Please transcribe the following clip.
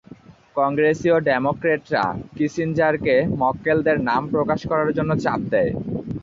কংগ্রেসীয় ডেমোক্র্যাটরা কিসিঞ্জারকে মক্কেলদের নাম প্রকাশ করার জন্য চাপ দেয়।